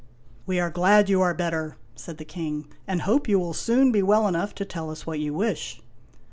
" We are glad you are better," said the King, " and hope you will soon be well enough to tell us what you wish."